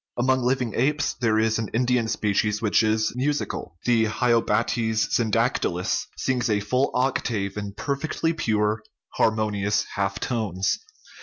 Among living apes there is an Indian species which is musical ; the hylobates syndactylus sings a full octave in per fectly pure, harmonious half tones.